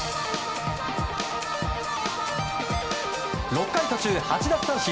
６回途中８奪三振